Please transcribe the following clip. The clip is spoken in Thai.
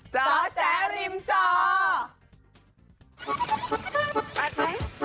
เจ้าแจ๊กริมเจาว์